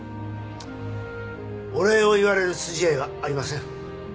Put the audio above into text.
お礼を言われる筋合いはありません。